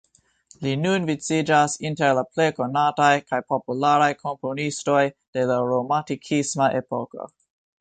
Li nun viciĝas inter la plej konataj kaj popularaj komponistoj de la romantikisma epoko.